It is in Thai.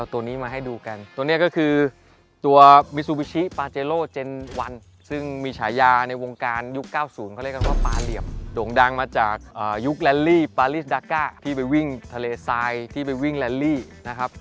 ที่ไปวิ่งทะเลไซด์ที่ไปวิ่งรัลลี่นะครับ